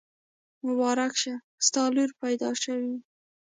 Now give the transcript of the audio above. مبارک شه! ستاسو لور پیدا شوي.